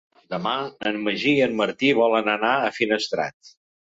Demà en Magí i en Martí volen anar a Finestrat.